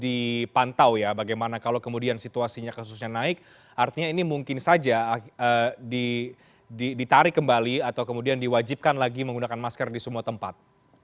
dipantau ya bagaimana kalau kemudian situasinya kasusnya naik artinya ini mungkin saja ditarik kembali atau kemudian diwajibkan lagi menggunakan masker di semua tempat